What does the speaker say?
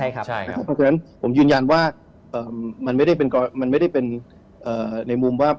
เพราะฉะนั้นผมยืนยันว่ามันไม่ได้เป็นในมุมว่า